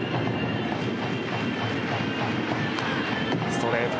ストレート